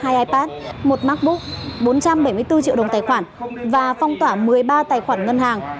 ipad một macbook bốn trăm bảy mươi bốn triệu đồng tài khoản và phong tỏa một mươi ba tài khoản ngân hàng